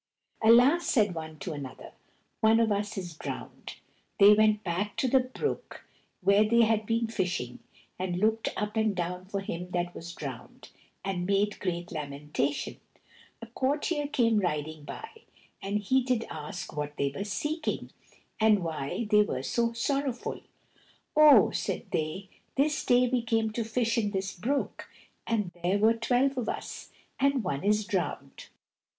"Alas!" said one to another, "one of us is drowned." They went back to the brook where they had been fishing, and looked up and down for him that was drowned, and made great lamentation. A courtier came riding by, and he did ask what they were seeking, and why they were so sorrowful. "Oh," said they, "this day we came to fish in this brook, and there were twelve of us, and one is drowned."